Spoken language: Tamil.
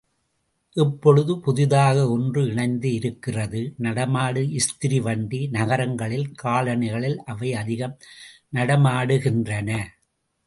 இப்பொழுது புதிதாக ஒன்று இணைந்து இருக்கிறது, நடமாடும் இஸ்திரி வண்டி நகரங்களில் காலனிகளில் அவை அதிகம் நடமாடுகின்றன.